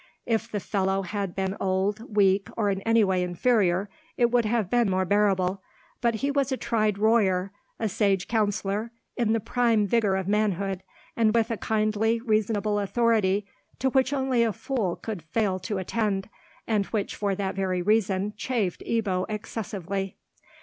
If the fellow had been old, weak, or in any way inferior, it would have been more bearable; but he was a tried warrior, a sage counsellor, in the prime vigour of manhood, and with a kindly reasonable authority to which only a fool could fail to attend, and which for that very reason chafed Ebbo excessively.